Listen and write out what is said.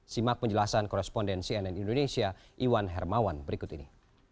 simak penjelasan korespondensi nn indonesia iwan hermawan berikut ini